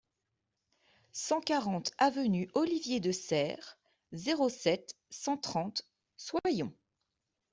cent quarante avenue Olivier de Serres, zéro sept, cent trente, Soyons